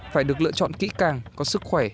phải được lựa chọn kỹ càng có sức khỏe